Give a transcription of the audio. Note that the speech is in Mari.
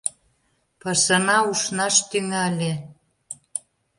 Пашана ушнаш тӱҥале.